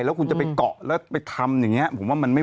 แล้วคุณจะไปเกาะแล้วไปทำอย่างนี้